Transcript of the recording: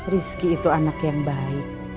rizky itu anak yang baik